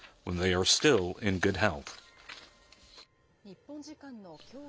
日本時間のきょう